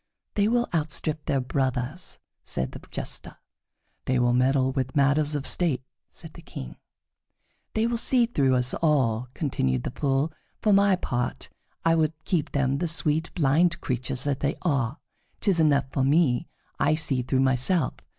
"They will outstrip their brothers," said the Jester. "They will meddle with matters of state," said the King. "They will see through us all," continued the Fool. "For my part, I would keep them the sweet, blind creatures that they are. 'Tis enough for me that I see through myself.